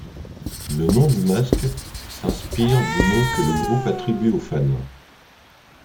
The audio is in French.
Le nom du masque s'inspire du nom que le groupe attribue aux fans.